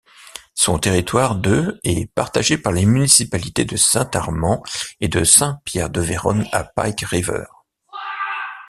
Son territoire de est partagé par les municipalités de Saint-Armand et de Saint-Pierre-de-Véronne-à-Pike-River.